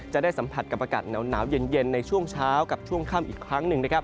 จะได้สัมผัสกับอากาศหนาวเย็นในช่วงเช้ากับช่วงค่ำอีกครั้งหนึ่งนะครับ